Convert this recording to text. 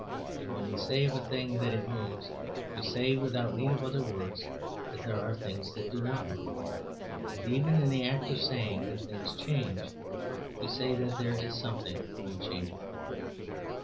And when we say of a thing that it moves, we say, without need of other words, that there are things that do not move. And even in the act of saying that things change, we say that there is something unchangeable.